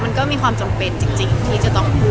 มันก็มีความจำเป็นจริงที่จะต้องพูด